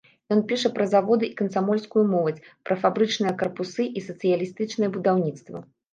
Ён піша пра заводы і камсамольскую моладзь, пра фабрычныя карпусы і сацыялістычнае будаўніцтва.